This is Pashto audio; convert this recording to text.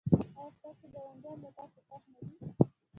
ایا ستاسو ګاونډیان له تاسو خوښ نه دي؟